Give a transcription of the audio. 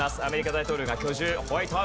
アメリカ大統領が居住。